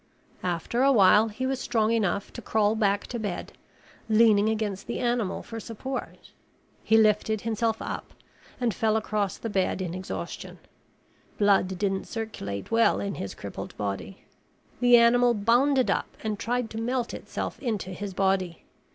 After a while he was strong enough to crawl back to bed, leaning against the animal for support. He lifted himself up and fell across the bed in exhaustion. Blood didn't circulate well in his crippled body. The animal bounded up and tried to melt itself into his body.